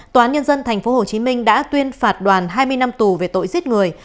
tòa án nhân dân tp hcm đã tuyên phạt đoàn hai mươi năm tù về tội giết người